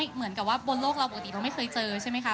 เหมือนบนโลกเราไม่เคยเจอใช่มั้ยคะ